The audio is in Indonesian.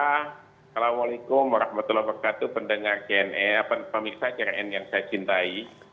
assalamualaikum warahmatullahi wabarakatuh pendengar jne pemirsa jn yang saya cintai